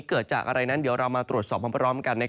เกิดจากอะไรนั้นเดี๋ยวเรามาตรวจสอบพร้อมกัน